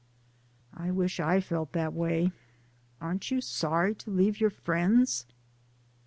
"I wish I felt that way; aren't you sorry to leave your friends?"